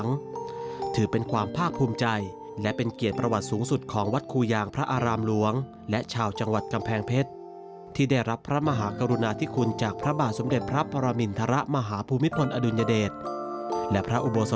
ถือเป็นความภาคภูมิใจและเป็นเกียรติประวัติสูงสุดของวัดครูยางพระอารามหลวงและชาวจังหวัดกำแพงเพชรที่ได้รับพระมหากรุณาธิคุณจากพระบาทสมเด็จพระปรมินทรมาฮภูมิพลอดุลยเดชและพระอุโบสถ